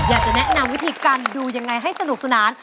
อยากจะแนะนำวิธีการดูยังไงให้สนุกสนาน